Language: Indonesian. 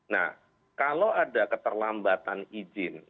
nah kalau ada keterlambatan izin